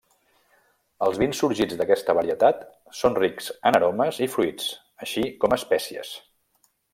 Els vins sorgits d'aquesta varietat són rics en aromes i fruits, així com espècies.